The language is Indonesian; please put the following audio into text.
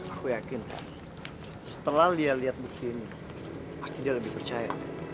aku yakin setelah lia lihat bukti ini pasti dia lebih percaya